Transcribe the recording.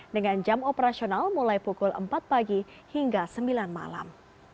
dengan jam operasional mulai pukul empat pagi hingga sembilan malam